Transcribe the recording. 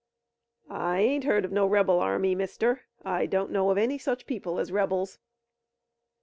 "I ain't heard of no rebel army, mister. I don't know of any such people as rebels."